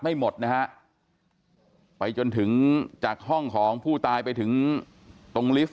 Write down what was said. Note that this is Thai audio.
ไม่หมดนะฮะไปจนถึงจากห้องของผู้ตายไปถึงตรงลิฟต์